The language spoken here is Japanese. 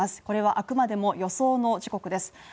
これはあくまでも予想の時刻です